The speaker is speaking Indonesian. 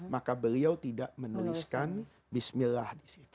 maka beliau tidak menuliskan bismillah disitu